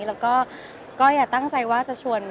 แล้วก็อย่าตั้งใจว่าจะชวน